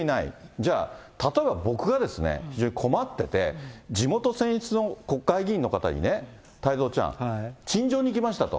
じゃあ、例えば僕が、非常に困ってて、地元選出の国会議員の方にね、太蔵ちゃん、陳情に行きましたと。